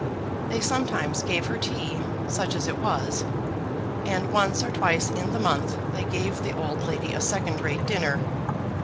They sometimes gave her tea, such as it was, and once or twice in the month they gave the old lady a second rate dinner.